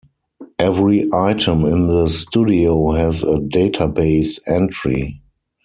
Every item in the studio has a database entry.